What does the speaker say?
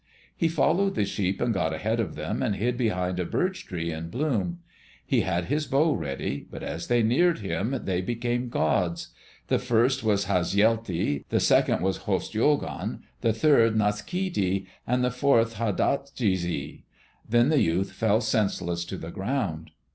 He followed the sheep and got ahead of them and hid behind a birch tree in bloom. He had his bow ready, but as they neared him they became gods. The first was Hasjelti, the second was Hostjoghon, the third Naaskiddi, and the fourth Hadatchishi. Then the youth fell senseless to the ground.